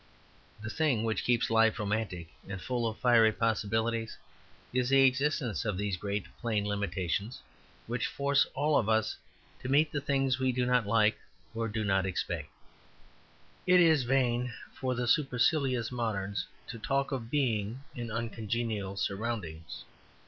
The thing which keeps life romantic and full of fiery possibilities is the existence of these great plain limitations which force all of us to meet the things we do not like or do not expect. It is vain for the supercilious moderns to talk of being in uncongenial surroundings.